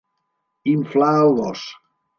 Inflar el gos.